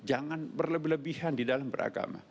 jangan berlebihan di dalam beragama